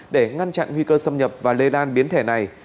để ngăn chặn nguy cơ xâm nhập và lây lan biến thể này